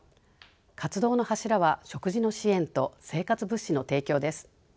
活動の柱は食事の支援と生活物資の提供です。